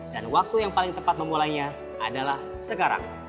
dan waktu yang paling tepat memulainya adalah sekarang